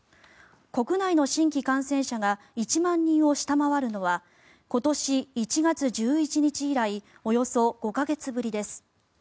国内の新規感染者が１万人を下回るのは今年１月１１日以来およそ５か月ぶりです。